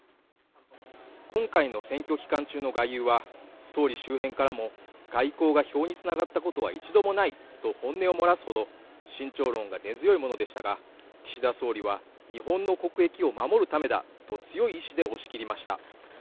今回の選挙期間中の外遊は総理周辺からも外交が票につながったことは一度もないと本音を漏らすほど慎重論が根強いものでしたが、岸田総理は日本の国益を守るためだと強い意志で押し切りました。